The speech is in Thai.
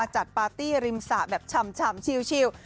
มาจัดปาร์ตี้ริมศาแบบฉ่ำชิว